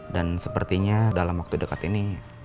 dan sepertinya dalam waktu dekat ini